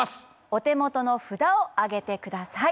お手元の札をあげてください